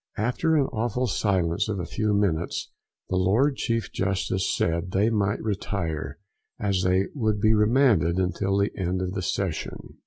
After an awful silence of a few minutes, the Lord Chief Justice said they might retire, as they would be remanded until the end of the session.